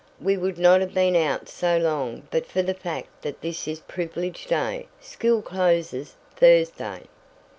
We would not have been out so long but for the fact that this is privilege day school closes Thursday."